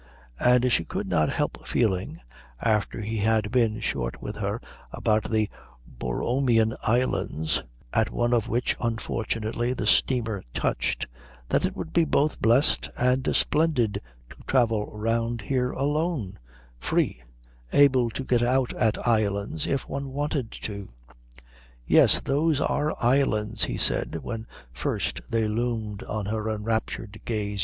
And she could not help feeling, after he had been short with her about the Borromean Islands, at one of which unfortunately the steamer touched, that it would be both blessed and splendid to travel round here alone free, able to get out at islands if one wanted to. "Yes, those are islands," he said, when first they loomed on her enraptured gaze.